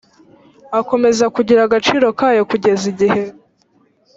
akomeza kugira agaciro kayo kugeza igihe